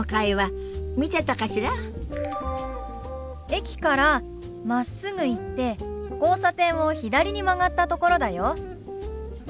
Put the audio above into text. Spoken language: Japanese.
駅からまっすぐ行って交差点を左に曲がったところだよ。